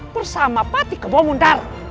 bersama pati ke bawamundar